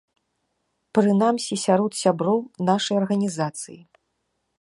Прынамсі сярод сяброў нашай арганізацыі.